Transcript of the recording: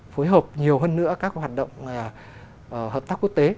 phối hợp nhiều hơn nữa các hoạt động hợp tác quốc tế